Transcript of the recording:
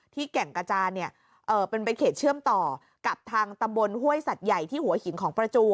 แก่งกระจานเป็นเขตเชื่อมต่อกับทางตำบลห้วยสัตว์ใหญ่ที่หัวหินของประจู